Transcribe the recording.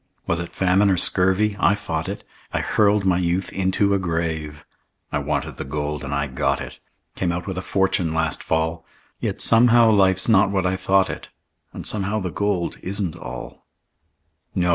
Was it famine or scurvy I fought it; I hurled my youth into a grave. I wanted the gold, and I got it Came out with a fortune last fall, Yet somehow life's not what I thought it, And somehow the gold isn't all.